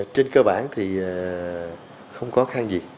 trên cơ bản thì không khó khăn gì